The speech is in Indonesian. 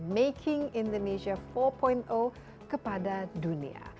making indonesia empat kepada dunia